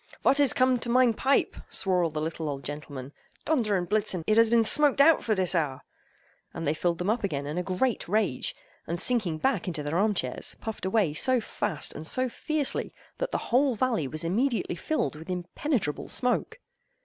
"Vot is cum'd to mein pipe?" swore all the little old gentlemen, "Donder and Blitzen; it has been smoked out for dis hour!"—and they filled them up again in a great rage, and sinking back in their arm chairs, puffed away so fast and so fiercely that the whole valley was immediately filled with impenetrable smoke.